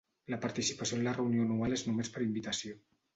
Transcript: La participació en la Reunió Anual és només per invitació.